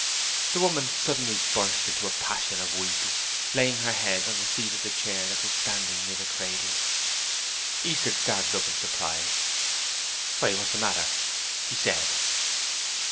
The woman suddenly burst into a passion of weeping, laying her head on the seat of the chair that was standing near the cradle. Easton started up in surprise. 'Why, what's the matter?' he said.